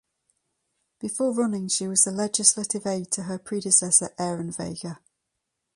Before running she was the legislative aid to her predecessor Aaron Vega.